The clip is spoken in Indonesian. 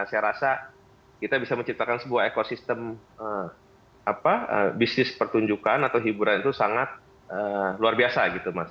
saya rasa kita bisa menciptakan sebuah ekosistem bisnis pertunjukan atau hiburan itu sangat luar biasa gitu mas